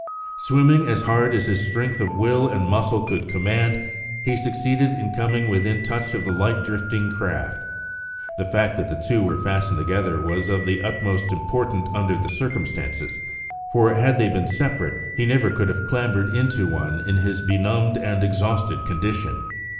Swimming as hard as his strength of will and muscle could command, he succeeded in coming within touch of the light drifting craft. The fact that the two were fastened together was of the utmost importance under the circumstances, for had they been separate he could never have clambered into one in his benumbed and exhausted condition.